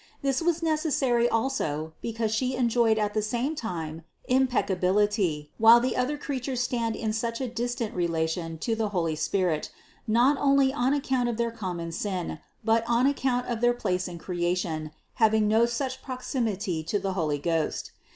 This was nec essary also because She enjoyed at the same time im peccability, while the other creatures stand in such a dis tant relation to the Holy Spirit, not only on account of their common sin, but on account of their place in creation, having no such proximity to the Holy Ghost.